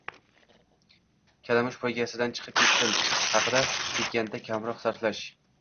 kalamush poygasidan chiqib ketish haqida ketganda kamroq sarflash